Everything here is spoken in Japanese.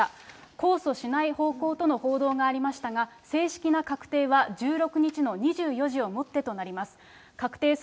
控訴しない方向との報道がありましたが、正式な確定は１６日の２４時をもってとなります。